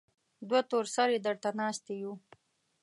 دوه تور سرې درته ناستې يو.